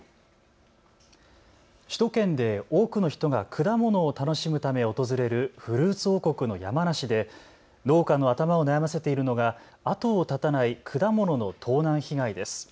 首都圏で多くの人が果物を楽しむため訪れるフルーツ王国の山梨で、農家の頭を悩ませているのが後を絶たない果物の盗難被害です。